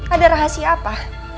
ada rahasia apa